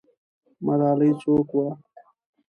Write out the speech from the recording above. ملالۍ څوک وه؟